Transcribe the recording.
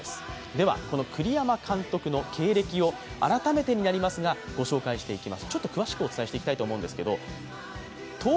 ではこの栗山監督の経歴を改めてになりますが詳しくご紹介します。